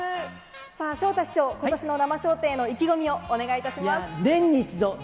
さあ昇太師匠、ことしの生笑点への意気込みをお願いいたします。